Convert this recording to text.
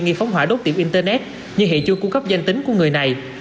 nghi phóng hỏa đốt tiệm internet như hệ chu cung cấp danh tính của người này